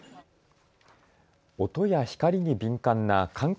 音や光に敏感な感覚